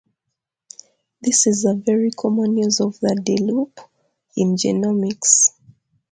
This is a very common use of the D-loop in genomics.